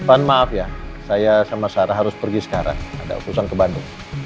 mohon maaf ya saya sama sarah harus pergi sekarang ada urusan ke bandung